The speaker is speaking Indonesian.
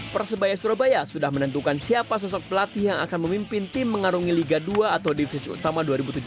persebaya surabaya sudah menentukan siapa sosok pelatih yang akan memimpin tim mengarungi liga dua atau divisi utama dua ribu tujuh belas